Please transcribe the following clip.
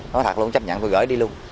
nói thật luôn chấp nhận tôi gửi đi luôn